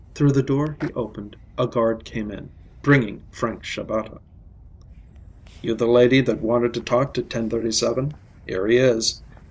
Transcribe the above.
Through the door he opened a guard came in, bringing Frank Shabata. "You the lady that wanted to talk to 1037? Here he is.